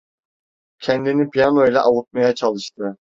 Kendini piyano ile avutmaya çalıştı.